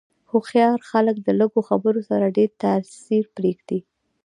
هوښیار خلک د لږو خبرو سره ډېر تاثیر پرېږدي.